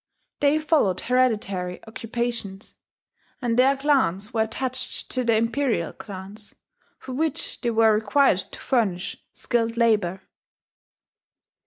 They followed hereditary occupations; and their clans were attached to the imperial clans, for which they were required to furnish skilled labour.